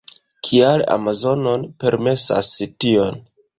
Kial Amazon permesas tion?